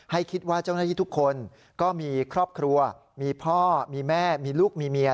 ให้คิดว่าเจ้าหน้าที่ทุกคนก็มีครอบครัวมีพ่อมีแม่มีลูกมีเมีย